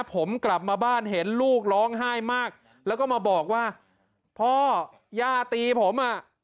ผมกลับมาบ้านเห็นลูกร้องไห้มากแล้วก็มาบอกว่าพ่อย่าตีผมอ่ะ